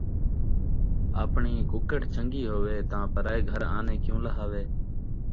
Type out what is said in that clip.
آپݨی ککڑ چنڳی ہووے تاں پرائے گھر آنےکیوں لہاوے